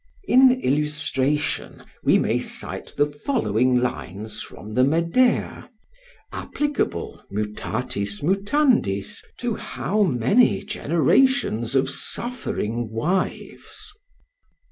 In illustration we may cite the following lines from the "Medea," applicable, mutatis mutandis, to how many generations of suffering wives?